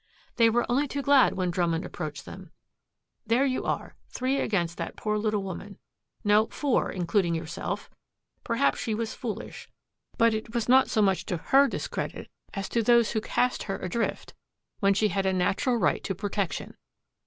"They were only too glad when Drummond approached them. There you are, three against that poor little woman no, four, including yourself. Perhaps she was foolish. But it was not so much to her discredit as to those who cast her adrift when she had a natural right to protection.